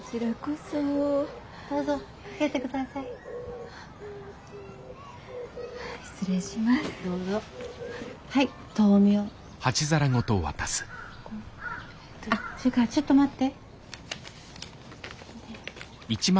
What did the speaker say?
それからちょっと待って。